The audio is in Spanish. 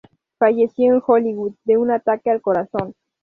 Falleció en Hollywood de un ataque al corazón.